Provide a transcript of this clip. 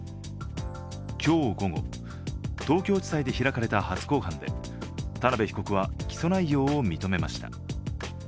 今日午後、東京地裁で開かれた初公判で、田辺被告は起訴内容を認めました。